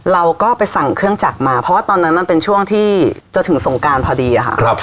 เราก็ไปสั่งเครื่องจักรมาเพราะว่าตอนนั้นมันเป็นช่วงที่จะถึงสงการพอดีค่ะ